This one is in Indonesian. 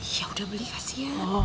iya udah beli kasian